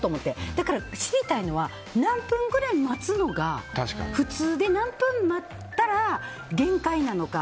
だから、知りたいのは何分ぐらい待つのが普通で何分待ったら限界なのか。